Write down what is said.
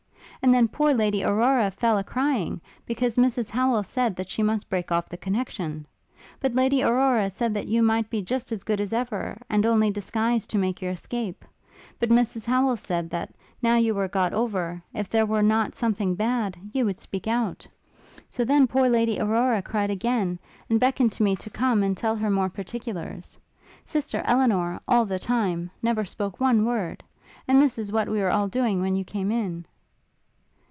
And then, poor Lady Aurora fell a crying, because Mrs Howel said that she must break off the connexion. But Lady Aurora said that you might be just as good as ever, and only disguised to make your escape; but Mrs Howel said, that, now you were got over, if there were not something bad, you would speak out. So then poor Lady Aurora cried again, and beckoned to me to come and tell her more particulars. Sister Elinor, all the time, never spoke one word. And this is what we were all doing when you came in.'